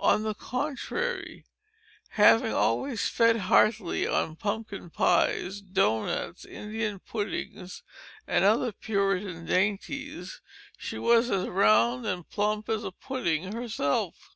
On the contrary, having always fed heartily on pumpkin pies, doughnuts, Indian puddings, and other Puritan dainties, she was as round and plump as a pudding herself.